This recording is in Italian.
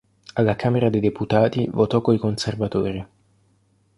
Alla Camera dei deputati votò coi conservatori.